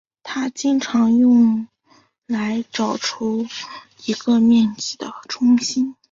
它经常用来找出一个面积的中心。